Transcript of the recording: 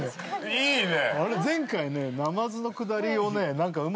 いいね！